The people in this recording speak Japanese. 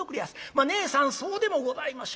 「まあねえさんそうでもございましょうが」。